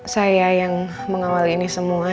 saya yang mengawal ini semua